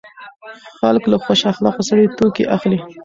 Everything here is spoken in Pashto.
خلک له خوش اخلاقه سړي توکي اخلي.